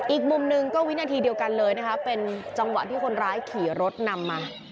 อีกมุมหนึ่งก็วินาทีเดียวกันเลยนะคะเป็นจังหวะที่คนร้ายขี่รถนำมา